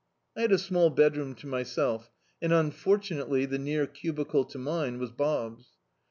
I had a small bedroom to myself, and imfortunately the near cubicle to mine was Bob's.